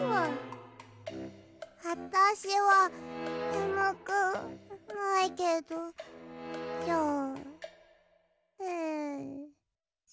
あたしはねむくないけどじゃあん。